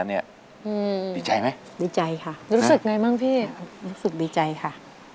ดิจัยไหมดิจัยค่ะสิว่ายังไงบ้างพี่ว่ารู้สึกดิจัยค่ะ